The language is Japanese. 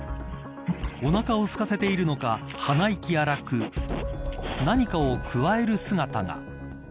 おなかをすかせているのか鼻息荒く何かをくわえる姿が。